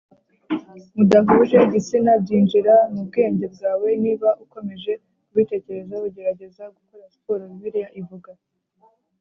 Mudahuje igitsina byinjira mu bwenge bwawe niba ukomeje kubitekerezaho gerageza gukora siporo bibiliya ivuga